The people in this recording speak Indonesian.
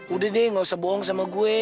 udah nih gak usah bohong sama gue